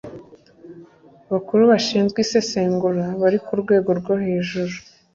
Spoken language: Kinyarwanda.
Bakuru bashinzwe isesengura bari ku rwego rwo hejuru